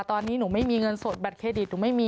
ตอนนี้หนูไม่มีเงินสดแบบเครดิต